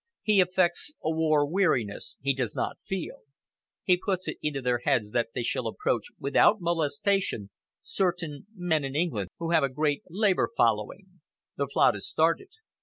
He affects a war weariness he does not feel. He puts it into their heads that they shall approach without molestation certain men in England who have a great Labour following. The plot is started.